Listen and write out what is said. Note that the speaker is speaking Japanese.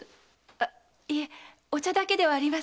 あいえお茶だけではありません。